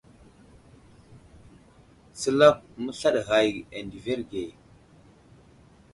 Səlakw i məslaɗ ghay a ndəverge.